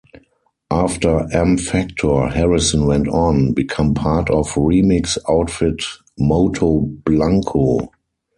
After M Factor, Harrison went on become part of remix outfit Moto Blanco.